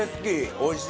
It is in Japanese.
おいしい！